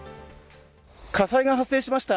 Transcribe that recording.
火災が発生しました。